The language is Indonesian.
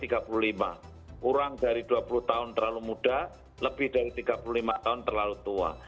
kurang dari dua puluh tahun terlalu muda lebih dari tiga puluh lima tahun terlalu tua